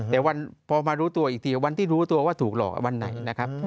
แต่วันพอมารู้ตัวอีกทีวันที่รู้ตัวว่าถูกหลอกวันไหนนะครับ